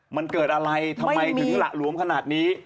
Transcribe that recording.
มันเกิดอะไรทำไมถึงหละหลวมขนาดนี้